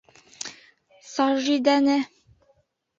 Сажидәне.